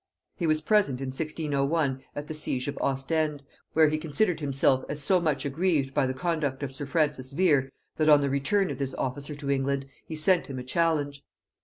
He was present in 1601 at the siege of Ostend, where he considered himself as so much aggrieved by the conduct of sir Francis Vere, that on the return of this officer to England he sent him a challenge.